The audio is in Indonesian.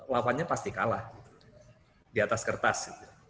lawannya pasti kalah di atas kertas